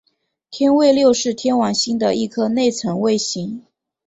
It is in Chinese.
天卫六是天王星的一颗内层卫星。